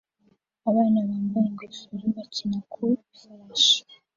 abana bambaye ingofero bakina ku ifarashi